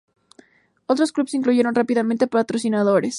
Otros clubs incluyeron rápidamente patrocinadores.